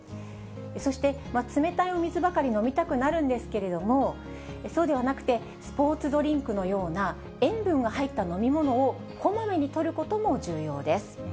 そして、冷たいお水ばかり飲みたくなるんですけれども、そうではなくて、スポーツドリンクのような、塩分が入った飲み物をこまめにとることも重要です。